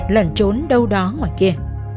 lẩn trốn đâu đó ngoài kia